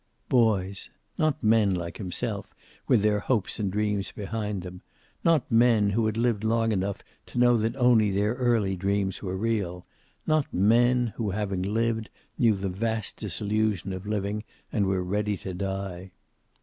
Boys. Not men like himself, with their hopes and dreams behind them. Not men who had lived enough to know that only their early dreams were real. Not men, who, having lived, knew the vast disillusion of living and were ready to die.